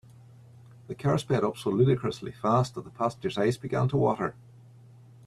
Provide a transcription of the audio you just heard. The car sped up so ludicrously fast that the passengers eyes began to water.